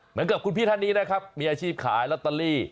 เหมือนกับคุณพี่ท่านนี้นะครับมีอาชีพขายลอตเตอรี่